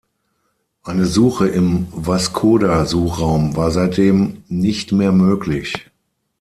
Eine Suche im Vascoda-Suchraum war seitdem nicht mehr möglich.